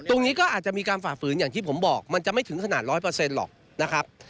ตรงนี้ก็อาจจะมีการฝากฝืนอย่างที่ผมบอกมันจะไม่ถึงขนาดร้อยเปอร์เซ็นต์หรอกนะครับ